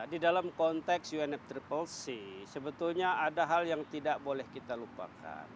di dalam konteks unfccc sebetulnya ada hal yang tidak boleh kita lupakan